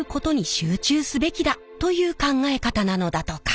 という考え方なのだとか。